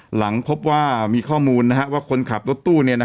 หลังพบว่ามีข้อมูลว่าคนขับรถตู้